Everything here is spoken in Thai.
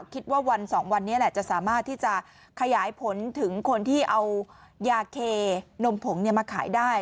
คิดว่าวันสองวันนี้แหละจะสามารถที่จะขยายผลถึงคนที่เอายาเคนมผงมาขายได้